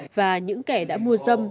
và những kẻ đã mua dâm